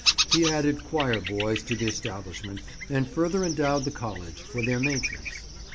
He added choir boys to the establishment, and further endowed the College, for their maintenance.